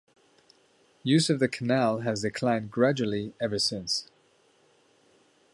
Use of the canal has declined gradually ever since.